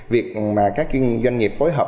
việc các doanh nghiệp phối hợp